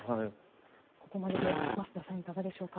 ここまでで増田さん、いかがでしょうか。